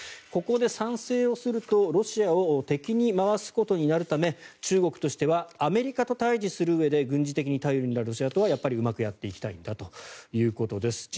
ここで賛成をするとロシアを敵に回すことになるため中国としてはアメリカと対峙するうえで軍事的に頼りになるロシアとはうまくやっていきたいんだということです。